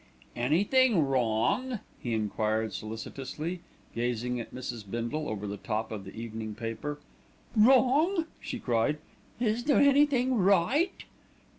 "Anythink wrong?" he enquired solicitously, gazing at Mrs. Bindle over the top of the evening paper. "Wrong!" she cried. "Is there anything right?"